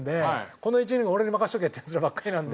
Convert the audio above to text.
この１年間俺に任せとけっていうヤツらばっかりなんで。